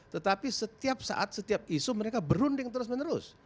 tetapi setiap saat setiap isu mereka berunding terus menerus